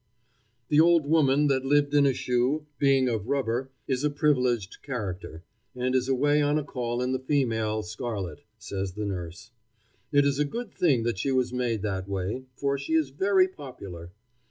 The old woman that lived in a shoe, being of rubber, is a privileged character, and is away on a call in the female scarlet, says the nurse. It is a good thing that she was made that way, for she is very popular.